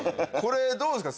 どうですか？